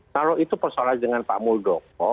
kalau itu persoalan dengan pak muldoko